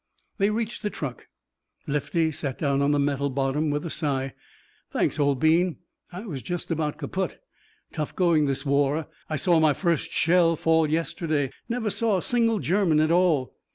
They reached the truck. Lefty sat down on the metal bottom with a sigh. "Thanks, old bean. I was just about kaputt. Tough going, this war. I saw my first shell fall yesterday. Never saw a single German at all.